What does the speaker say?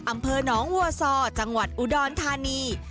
อำเภอหนองวัวซอจังหวัดอุดรธานี